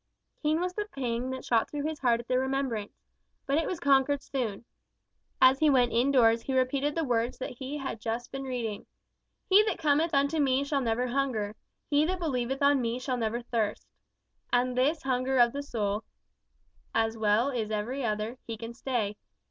Keen was the pang that shot through his heart at the remembrance. But it was conquered soon. As he went in doors he repeated the words he had just been reading, "'He that cometh unto me shall never hunger; he that believeth on me shall never thirst.' And this hunger of the soul, as well is every other, He can stay.